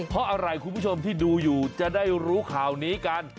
เพราะอะไรคุณผู้ชมที่ดูอยู่จะได้รู้ข่าวนี้กัน